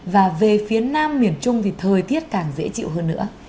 và về phía nam miền trung thì thời tiết càng dễ chịu hơn nữa